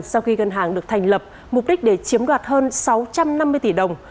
sau khi ngân hàng được thành lập mục đích để chiếm đoạt hơn sáu trăm năm mươi tỷ đồng